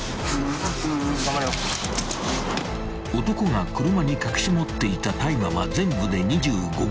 ［男が車に隠し持っていた大麻は全部で２５ｇ］